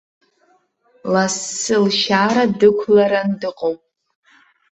Лассы лшьара дықәларан дыҟоуп.